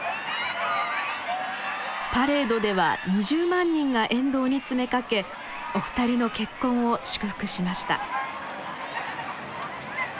パレードでは２０万人が沿道に詰めかけお二人の結婚を祝福しました。